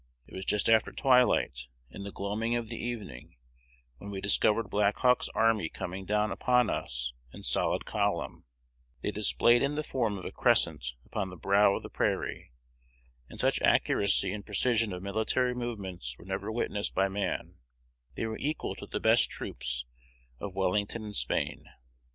It was just after twilight, in the gloaming of the evening, when we discovered Black Hawk's army coming down upon us in solid column: they displayed in the form of a crescent upon the brow of the prairie, and such accuracy and precision of military movements were never witnessed by man; they were equal to the best troops of Wellington in Spain.